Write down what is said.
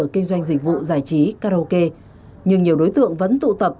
kinh doanh dịch vụ giải trí karaoke nhưng nhiều đối tượng vẫn tụ tập